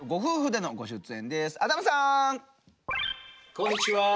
こんにちは。